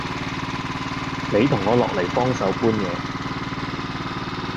你同我落黎幫我搬嘢